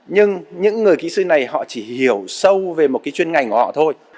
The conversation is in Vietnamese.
nhưng những người kỹ sư này họ chỉ hiểu sâu về một cái chuyên ngành của họ thôi